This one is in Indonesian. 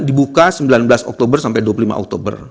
dibuka sembilan belas oktober sampai dua puluh lima oktober